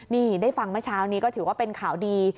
นี่ได้ฟังเมื่อเช้านี้ก็ถือว่าเป็นข่าวดี